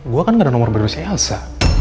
gue kan gak ada nomor berikutnya elsa